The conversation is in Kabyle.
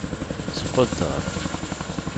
Squdder.